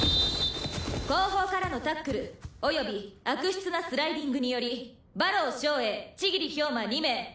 「後方からのタックル及び悪質なスライディングにより馬狼照英千切豹馬２名イエローカード」